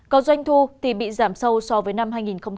còn doanh thu thì bị giảm sâu so với năm hai nghìn một mươi chín